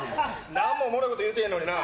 何もおもろいこと言うてへんのにな。